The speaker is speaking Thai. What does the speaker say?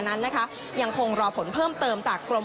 โดยในวันนี้นะคะพนักงานสอบสวนนั้นก็ได้ปล่อยตัวนายเปรมชัยกลับไปค่ะ